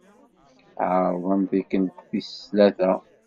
Ɛerḍen tikkelt tis tlata.